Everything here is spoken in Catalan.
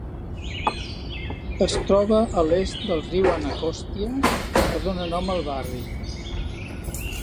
Es troba a l'est del riu Anacostia, que dona nom al barri.